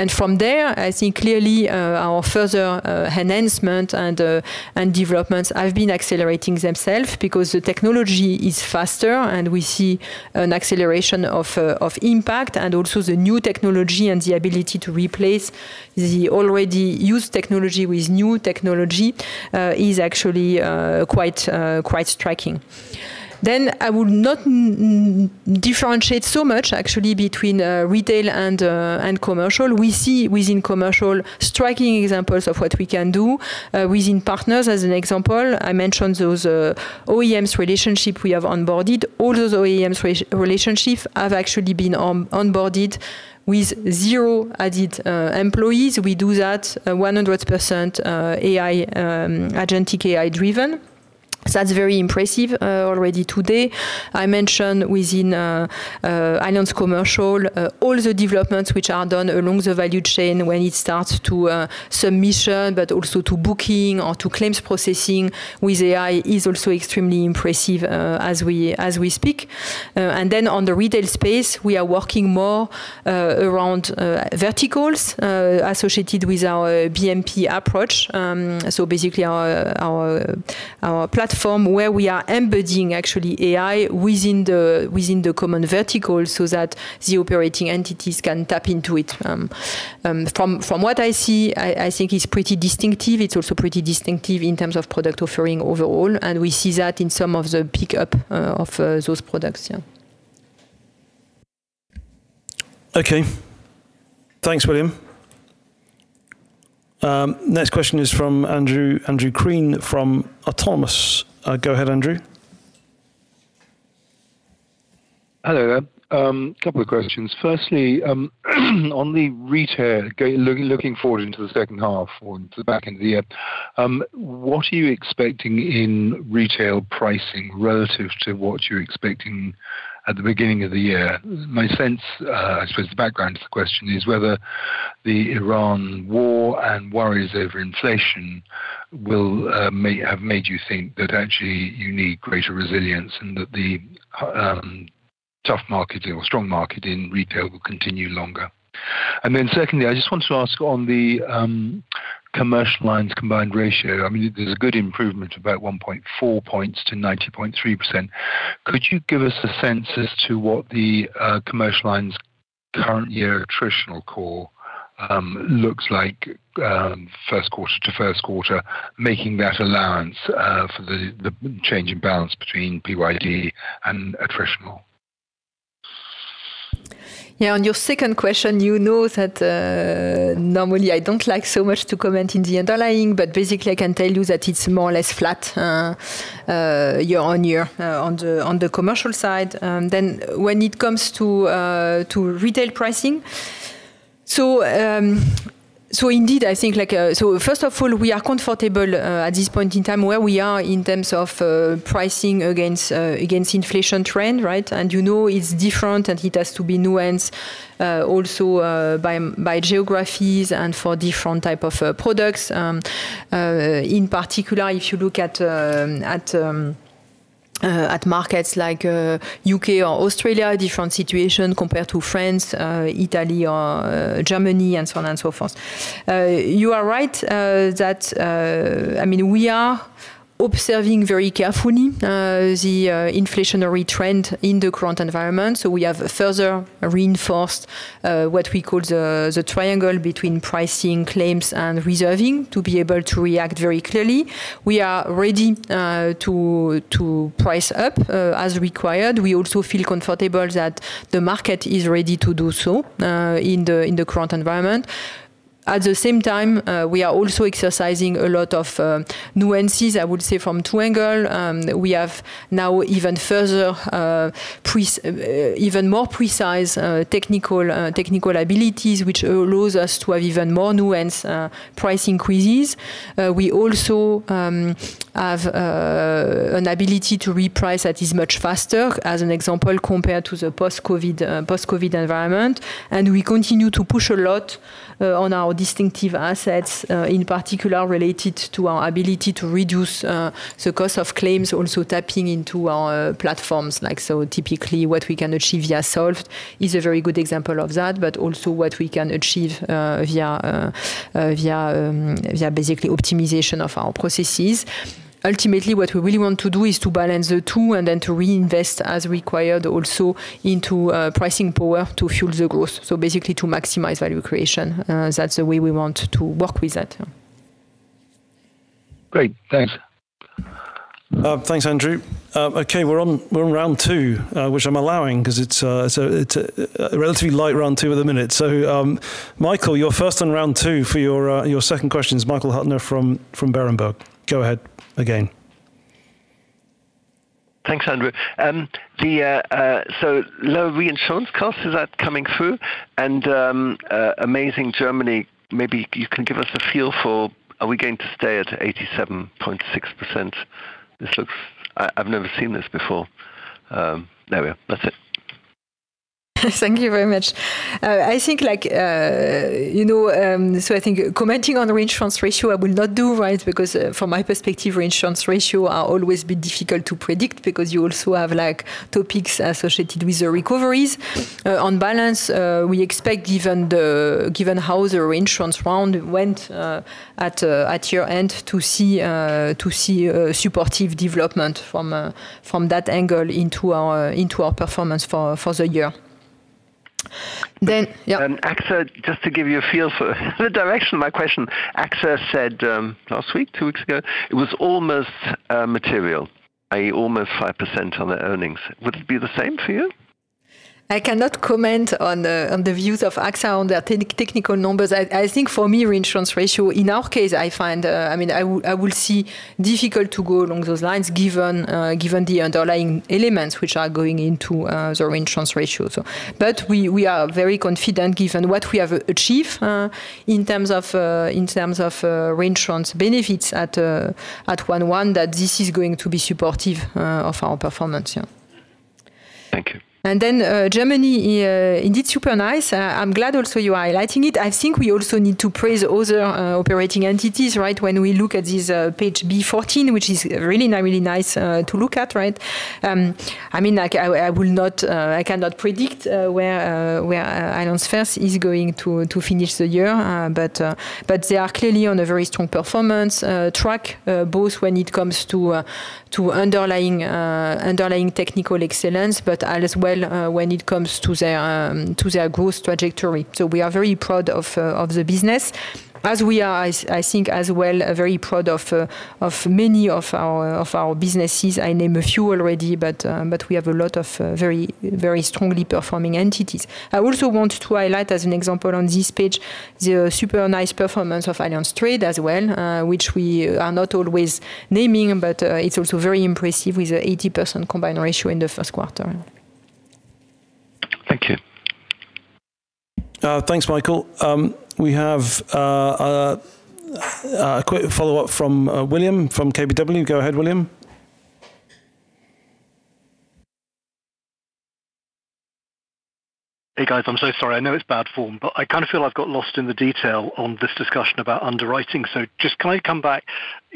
From there, I think clearly, our further enhancements and developments have been accelerating themselves because the technology is faster. We see an acceleration of impact; also, the new technology and the ability to replace the already used technology with new technology is actually quite striking. I will not differentiate so much actually between retail and commercial. We see within Commercial striking examples of what we can do. Within Partners as an example, I mentioned those OEMs relationship we have onboarded. All those OEMs relationship have actually been onboarded with 0 added employees. We do that 100% AI. agentic AI-driven. That's very impressive already today. I mentioned within Allianz Commercial all the developments which are done along the value chain when it starts to submission but also to booking or to claims processing with AI is also extremely impressive as we speak. On the retail space, we are working more around verticals associated with our BMP approach. Basically our platform where we are embedding actually AI within the common vertical so that the operating entities can tap into it. From what I see, I think it's pretty distinctive. It's also pretty distinctive in terms of product offering overall, and we see that in some of the pickup of those products. Okay. Thanks, William. Next question is from Andrew Crean from Autonomous. Go ahead, Andrew. Hello there. Couple of questions. Firstly, on the retail looking forward into the second half or into the back end of the year, what are you expecting in retail pricing relative to what you're expecting at the beginning of the year? My sense, I suppose the background to the question is whether the Iran war and worries over inflation will have made you think that actually you need greater resilience and that the tough market or strong market in retail will continue longer. Secondly, I just want to ask on the commercial lines combined ratio, I mean, there's a good improvement about 1.4 points to 90.3%. Could you give us a sense as to what the commercial lines current year attritional core looks like first quarter to first quarter, making that allowance for the change in balance between PYD and attritional? Yeah. On your second question, you know that normally I don't like so much to comment in the underlying, but basically I can tell you that it's more or less flat year on year on the commercial side. When it comes to retail pricing, so indeed, I think, like, first of all, we are comfortable at this point in time where we are in terms of pricing against against inflation trend, right? You know, it's different and it has to be nuanced also by geographies and for different type of products. In particular, if you look at markets like U.K. or Australia, different situation compared to France, Italy, or Germany, and so on and so forth. You are right, I mean, we are observing very carefully the inflationary trend in the current environment. We have further reinforced what we call the triangle between pricing, claims, and reserving to be able to react very clearly. We are ready to price up as required. We also feel comfortable that the market is ready to do so in the current environment. At the same time, we are also exercising a lot of nuances, I would say from two angle. We have now even further, even more precise technical abilities, which allow us to have even more nuanced price increases. We also have an ability to reprice that is much faster, as an example, compared to the post-COVID environment. We continue to push a lot on our distinctive assets, in particular related to our ability to reduce the cost of claims, also tapping into our platforms like so typically what we can achieve via Solvd is a very good example of that, but also what we can achieve via basically optimization of our processes. Ultimately, what we really want to do is to balance the two and then to reinvest as required also into pricing power to fuel the growth. Basically to maximize value creation. That's the way we want to work with that. Great. Thanks. Thanks, Andrew. Okay, we're on round two, which I'm allowing 'cause it's a relatively light round two at the minute. Michael, you're first on round two for your second question. Michael Huttner from Berenberg. Go ahead again. Thanks, Andrew. Lower reinsurance cost, is that coming through? Amazing Germany, maybe you can give us a feel for are we going to stay at 87.6%? I've never seen this before. There we are. That's it. Thank you very much. I think, like, you know, I think commenting on reinsurance ratio, I will not do, right? Because, from my perspective, reinsurance ratio are always bit difficult t o predict because you also have, like, topics associated with the recoveries. On balance, we expect given the, given how the reinsurance round went at your-end to see a supportive development from that angle into our, into our performance for the year. Yeah AXA, just to give you a feel for the direction of my question, AXA said, last week, two weeks ago, it was almost material, i.e., almost 5% on their earnings. Would it be the same for you? I cannot comment on the views of AXA on their technical numbers. I think for me, reinsurance ratio, in our case, I find, I mean, I will see difficult to go along those lines given given the underlying elements which are going into the reinsurance ratio. We are very confident given what we have achieved in terms of in terms of reinsurance benefits at 1/1 that this is going to be supportive of our performance, yeah. Thank you. Germany, indeed super nice. I'm glad also you are highlighting it. I think we also need to praise other operating entities, right? When we look at this page, B14, which is really nice to look at, right? I mean, like I will not, I cannot predict where Allianz Versicherung is going to finish the year. They are clearly on a very strong performance track, both when it comes to underlying technical excellence, but as well when it comes to their growth trajectory. We are very proud of the business. As we are, I think as well, very proud of many of our businesses. I name a few already, but we have a lot of very, very strongly performing entities. I also want to highlight as an example on this page the super nice performance of Allianz Trade as well, which we are not always naming, it's also very impressive with 80% combined ratio in the first quarter. Thank you. Thanks, Michael. We have a quick follow-up from William from KBW. Go ahead, William. Hey, guys. I'm so sorry. I know it's bad form, but I kind of feel I've got lost in the detail on this discussion about underwriting. Can I come back?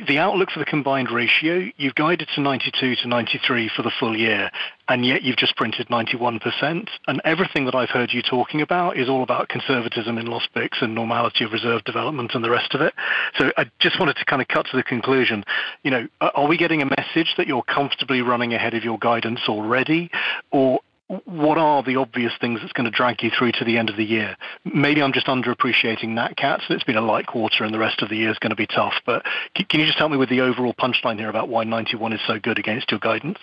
The outlook for the combined ratio you've guided to 92%-93% for the full year, and yet you've just printed 91%. Everything that I've heard you talking about is all about conservatism in loss picks and normality of reserve development and the rest of it. I just wanted to kind of cut to the conclusion. You know, are we getting a message that you're comfortably running ahead of your guidance already? Or what are the obvious things that's gonna drag you through to the end of the year? Maybe I'm just underappreciating that cat, so it's been a light quarter, and the rest of the year is gonna be tough. Can you just help me with the overall punchline here about why 91 is so good against your guidance?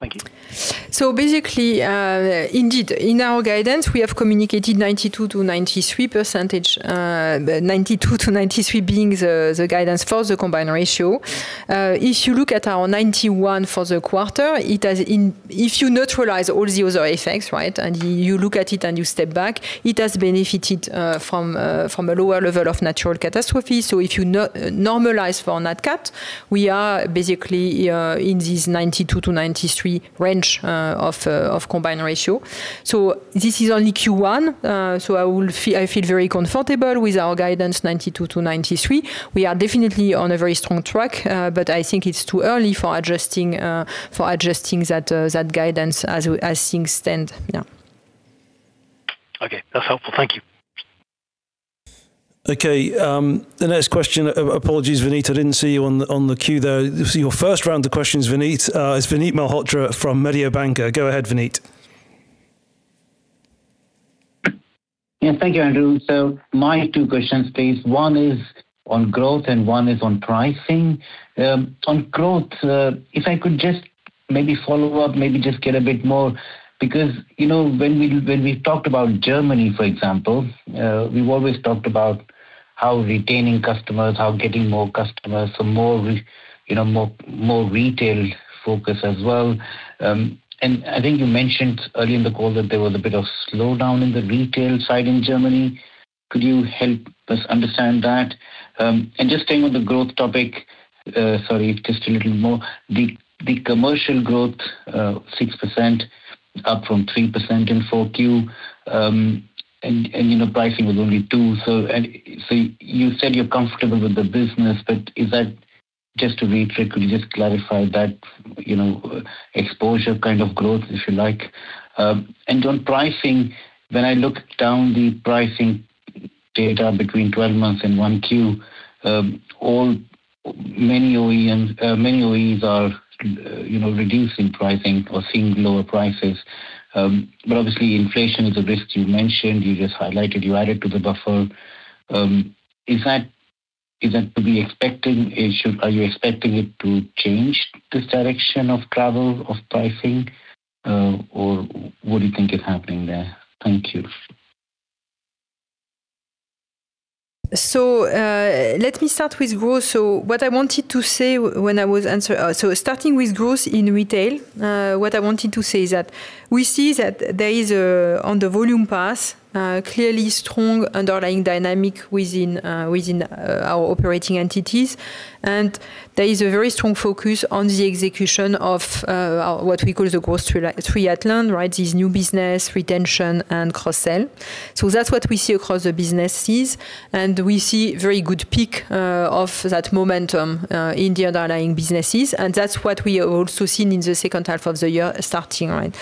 Thank you. Indeed, in our guidance, we have communicated 92%-93%, 92-93 being the guidance for the combined ratio. If you look at our 91 for the quarter, if you neutralize all the other effects, right, and you look at it and you step back, it has benefited from a lower level of Nat Cat. If you normalize for Nat Cat, we are basically in this 92-93 range of combined ratio. This is only Q1, I feel very comfortable with our guidance, 92-93. We are definitely on a very strong track, but I think it's too early for adjusting that guidance as things stand now. Okay. That's helpful. Thank you. Okay. The next question, apologies, Vinit. I didn't see you on the queue there. Your first round of questions, Vinit, its Vinit Malhotra from Mediobanca. Go ahead, Vinit. Thank you, Andrew. My two questions, please. One is on growth, and one is on pricing. On growth, if I could just maybe follow up, maybe just get a bit more because, you know, when we talked about Germany, for example, we've always talked about how retaining customers, how getting more customers, so more retail focus as well. I think you mentioned earlier in the call that there was a bit of slowdown in the retail side in Germany. Could you help us understand that? Just staying on the growth topic, sorry, just a little more. The commercial growth, 6% up from 3% in 4Q, you know, pricing was only 2%. You said you're comfortable with the business, but is that just a rate trend? Could you just clarify that, you know, exposure kind of growth, if you like? On pricing, when I look down the pricing data between 12 months and 1Q, many OE and many OEs are, you know, reducing pricing or seeing lower prices. Obviously inflation is a risk you mentioned, you just highlighted, you added to the buffer. Is that to be expected? Are you expecting it to change this direction of travel of pricing, or what do you think is happening there? Thank you. Let me start with growth. Starting with growth in retail, what I wanted to say is that we see that there is a, on the volume path, clearly strong underlying dynamic within our operating entities. There is a very strong focus on the execution of our, what we call the growth triathlon, right? This new business retention and cross-sell. That's what we see across the businesses, and we see very good peak of that momentum in the underlying businesses. That's what we have also seen in the second half of the year starting, right?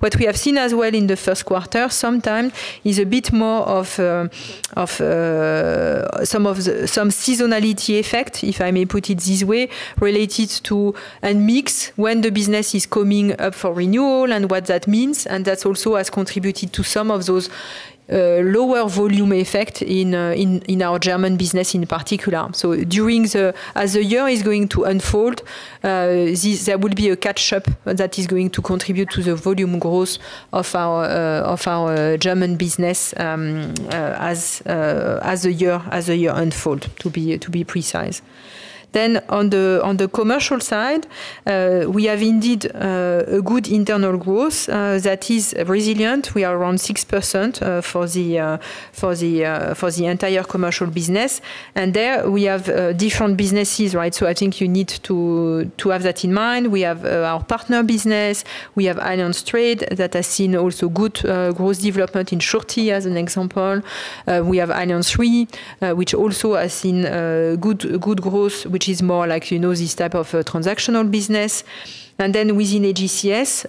What we have seen as well in the first quarter sometime is a bit more of some of the, some seasonality effect, if I may put it this way, related to a mix when the business is coming up for renewal and what that means. That also has contributed to some of those lower volume effect in our German business in particular. As the year is going to unfold, this, there will be a catch-up that is going to contribute to the volume growth of our German business as the year unfolds, to be precise. On the commercial side, we have indeed a good internal growth that is resilient. We are around 6% for the entire commercial business. There we have different businesses, right? I think you need to have that in mind. We have our partner business. We have Allianz Trade that has seen also good growth development in short-term as an example. We have Allianz Re, which also has seen good growth, which is more like, you know, this type of transactional business. Then within AGCS,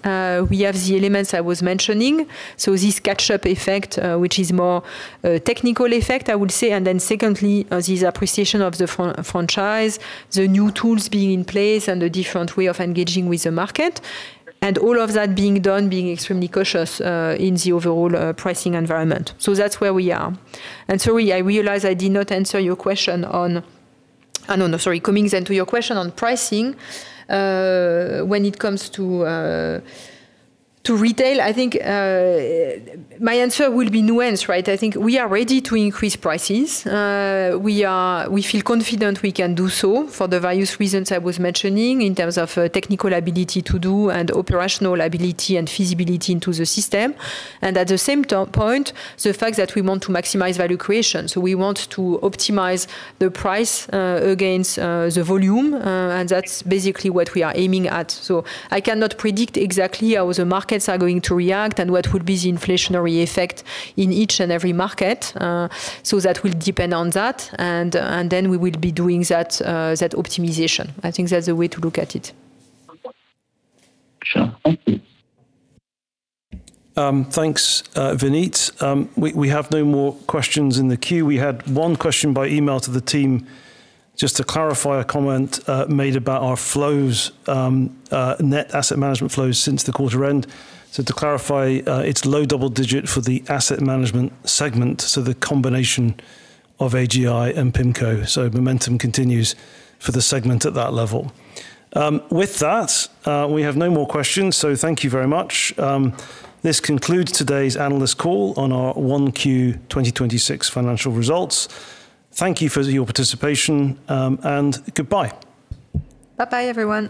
we have the elements I was mentioning. This catch-up effect, which is more of a technical effect, I would say. Then secondly, this appreciation of the franchise, the new tools being in place, and the different way of engaging with the market. All of that being done, being extremely cautious in the overall pricing environment. That's where we are. Sorry, I realize I did not answer your question on I don't know. Sorry. Coming to your question on pricing, when it comes to retail, I think my answer will be nuanced, right? I think we are ready to increase prices. We feel confident we can do so for the various reasons I was mentioning in terms of technical ability to do and operational ability and feasibility into the system. At the same point, the fact that we want to maximize value creation, we want to optimize the price against the volume. That's basically what we are aiming at. I cannot predict exactly how the markets are going to react and what would be the inflationary effect in each and every market. That will depend on that, and then we will be doing that optimization. I think that's the way to look at it. Sure. Thank you. Thanks, Vinit. We have no more questions in the queue. We had one question by email to the team just to clarify a comment made about our flows, net asset management flows since the quarter end. To clarify, it's low double-digit for the asset management segment, so the combination of AGI and PIMCO. Momentum continues for the segment at that level. With that, we have no more questions. Thank you very much. This concludes today's analyst call on our 1Q 2026 financial results. Thank you for your participation, and goodbye. Bye-bye everyone.